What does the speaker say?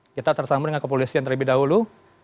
kita tersambung dengan kepolisian terlebih dahulu